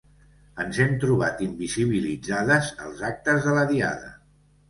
Ens hem trobat invisibilitzades als actes de la Diada.